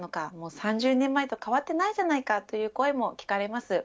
３０年前と変わってないじゃないかという声も聞かれます。